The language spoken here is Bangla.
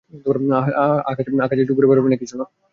আকাশে একটু ঘুরে বেড়াবে নাকি, শোলা?